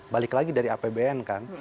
balik lagi dari apbn kan